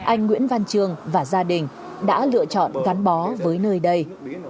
anh nguyễn văn trường và gia đình đã lựa chọn gắn bó với nơi đây